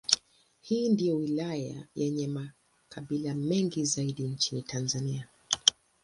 Hii ndiyo wilaya yenye makabila mengi zaidi nchini Tanzania.